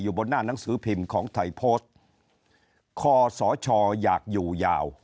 บนหน้าหนังสือพิมพ์ของไทยโพสต์คอสชอยากอยู่ยาว